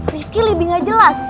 risky lebih gak jelas